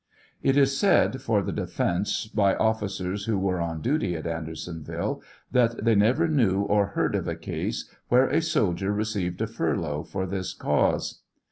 It is said for the defence by officers who were on duty at Andersonville 768 TEIAL OF HENEY WIEZ. that they never knew or heard of a case where a soldier received a furlough for this cause.